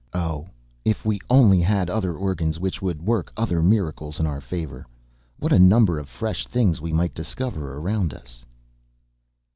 Oh! If we only had other organs which would work other miracles in our favour, what a number of fresh things we might discover around us!